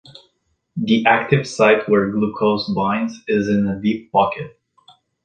The active site where glucose binds is in a deep pocket.